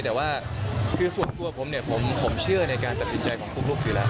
แต่ว่าคือส่วนตัวผมเนี่ยผมเชื่อในการตัดสินใจของคุณลูกอยู่แล้ว